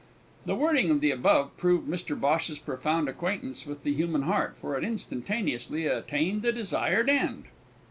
The wording of the above proved Mr Bhosh's profound acquaintance with the human heart, for it instantaneously attained the desired end.